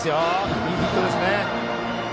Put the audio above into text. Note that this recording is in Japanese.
いいヒットですね。